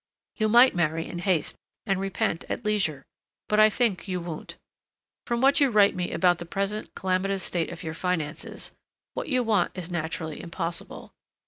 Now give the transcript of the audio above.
You might marry in haste and repent at leisure, but I think you won't. From what you write me about the present calamitous state of your finances, what you want is naturally impossible.